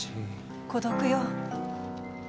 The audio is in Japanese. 孤独よ。